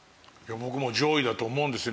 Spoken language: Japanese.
僕も上位だと思うんですよ。